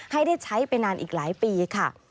ให้ได้ใช้ไปนานอีกหลายปีค่ะ